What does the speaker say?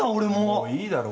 もういいだろ。